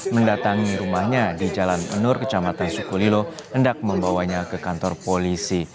mendatangi rumahnya di jalan nur kecamatan sukolilo hendak membawanya ke kantor polisi